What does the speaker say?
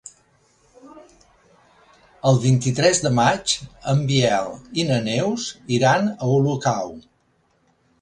El vint-i-tres de maig en Biel i na Neus iran a Olocau.